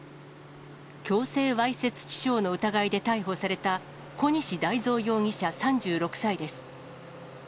強制わいせつ致傷の疑いで逮捕された、小西太造容疑者３６歳です。